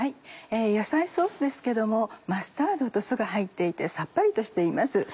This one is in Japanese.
野菜ソースですけどもマスタードと酢が入っていてさっぱりとしています。